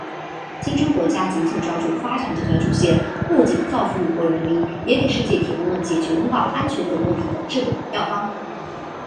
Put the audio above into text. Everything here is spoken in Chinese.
金砖国家紧紧抓住发展这条主线，不仅造福五国人民，也给世界提供了解决温饱、安全等问题的治本药方。